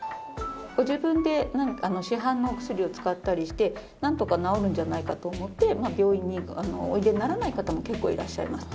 ご自分で市販のお薬を使ったりしてなんとか治るんじゃないかと思って病院においでにならない方も結構いらっしゃいます。